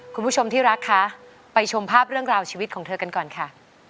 คุณผู้ชมที่รักคะไปชมภาพเรื่องราวชีวิตของเธอกันก่อนค่ะ